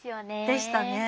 でしたね。